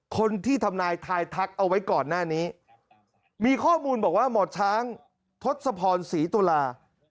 คนที่ทำนายทายทักเอาไว้ก่อนหน้านี้มีข้อมูลบอกว่าหมอช้างทศพรศรีตุลา